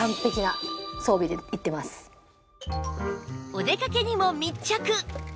お出かけにも密着